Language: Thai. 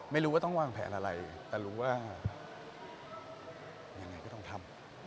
ไม่รู้ว่าต้องวางแผนอะไรแต่รู้ว่ายังไงก็ต้องทำ